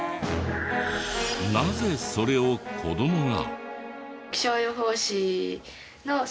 なぜそれを子供が？